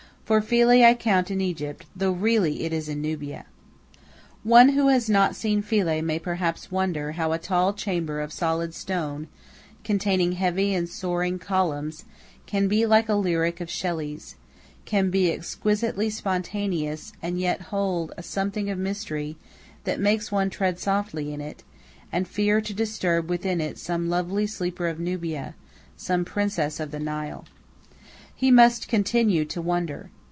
For Philae I count in Egypt, though really it is in Nubia. One who has not seen Philae may perhaps wonder how a tall chamber of solid stone, containing heavy and soaring columns, can be like a lyric of Shelley's, can be exquisitely spontaneous, and yet hold a something of mystery that makes one tread softly in it, and fear to disturb within it some lovely sleeper of Nubia, some Princess of the Nile. He must continue to wonder.